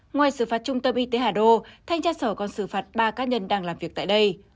ngoài xử phạt trung tâm y tế hà đô thanh tra sở còn xử phạt ba cá nhân đang làm việc tại đây